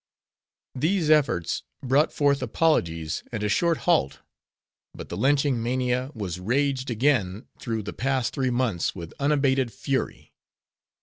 These efforts brought forth apologies and a short halt, but the lynching mania was raged again through the past three months with unabated fury.